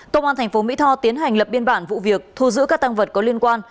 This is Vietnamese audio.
công an tp mỹ tho tiến hành lập biên bản vụ việc thu giữ các tăng vật có liên quan